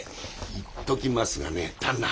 言っときますがね旦那